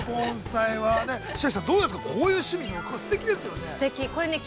白石さん、どうですか、こういう趣味、すてきですよね。